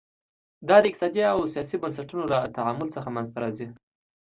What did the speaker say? دا د اقتصادي او سیاسي بنسټونو له تعامل څخه منځته راځي.